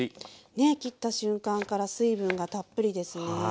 ねえ切った瞬間から水分がたっぷりですね。